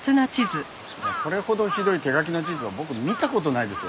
これほどひどい手描きの地図を僕見た事ないですよ。